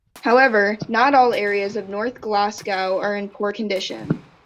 However, not all areas of North Glasgow are in poor condition.